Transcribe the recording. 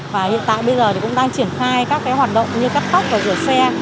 và hiện tại bây giờ thì cũng đang triển khai các hoạt động như cắt tóc và rửa xe